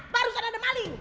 barusan ada maling